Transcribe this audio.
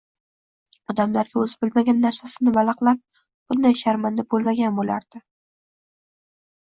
Odamlarga oʻzi bilmagan narsasini valaqlab bunday sharmanda boʻlmagan boʻlardi.